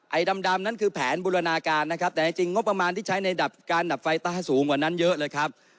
ดำนั้นคือแผนบูรณาการนะครับแต่จริงงบประมาณที่ใช้ในดับการดับไฟใต้สูงกว่านั้นเยอะเลยครับ